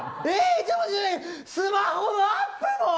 スマホのアップも？